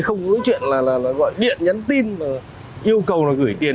không có chuyện gọi điện nhắn tin yêu cầu gửi tiền